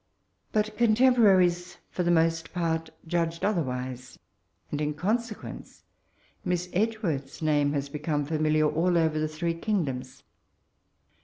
But contemporaries, for the most part, judged otherwise ; and in consequence. Miss Edgeworth's name has become fkmlliar all over the three kingdoms.